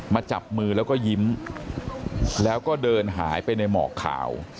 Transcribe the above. จับมือแล้วก็ยิ้มแล้วก็เดินหายไปในหมอกขาว